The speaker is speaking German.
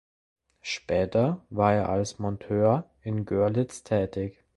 Später war er als Monteur in Görlitz tätig.